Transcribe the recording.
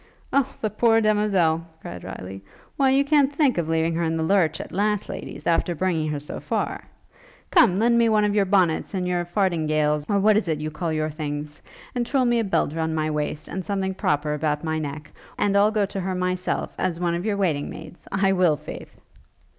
'O the poor demoiselle!' cried Riley, 'why you can't think of leaving her in the lurch, at last, ladies, after bringing her so far? Come, lend me one of your bonnets and your fardingales, or what is it you call your things? And twirl me a belt round my waist, and something proper about my neck, and I'll go to her myself, as one of your waiting maids: I will, faith!'